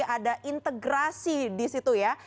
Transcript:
ada integrasi di situ ya